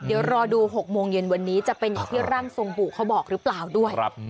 เดี๋ยวรอดู๖โมงเย็นวันนี้จะเป็นอย่างที่ร่างทรงปู่เขาบอกหรือเปล่าด้วย